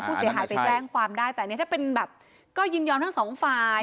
ผู้เสียหายไปแจ้งความได้แต่อันนี้ถ้าเป็นแบบก็ยินยอมทั้งสองฝ่าย